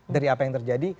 dari apa yang terjadi